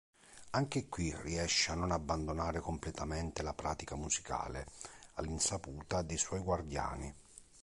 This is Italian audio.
Anche qui riesce a non abbandonare completamente la pratica musicale all’insaputa dei suoi guardiani.